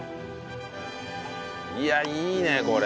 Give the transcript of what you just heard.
いやいいねこれ。